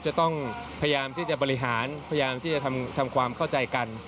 จะต้องพยายามที่จะบริหารพยายามที่จะทำความเข้าใจกัน